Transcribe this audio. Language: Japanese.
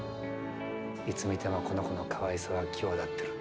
いつ見てもこの子のかわいさは際立ってる。